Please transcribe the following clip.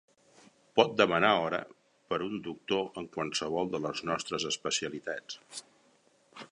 Pot demanar hora per un doctor en qualsevol de les nostres especialitats.